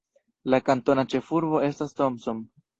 La kantona ĉefurbo estas Thomson.